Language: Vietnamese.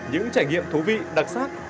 những trải nghiệm thú vị đặc sắc